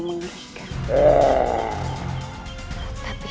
sungguh luar biasa